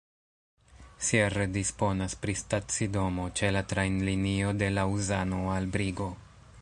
Sierre disponas pri stacidomo ĉe la trajnlinio de Laŭzano al Brigo.